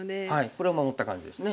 これを守った感じですね。